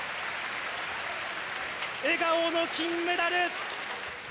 笑顔の金メダル！